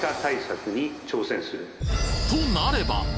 となれば！